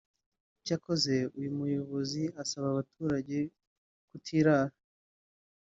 Icyakora uyu muyobozi asaba abaturage kutirara